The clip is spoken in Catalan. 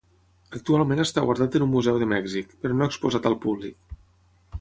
Actualment està guardat en un museu de Mèxic, però no exposat al públic.